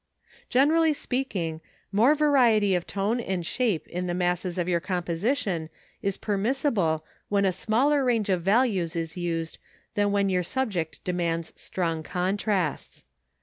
Generally speaking #more variety of tone and shape in the masses of your composition is permissible when a smaller range of values is used than when your subject demands strong contrasts#.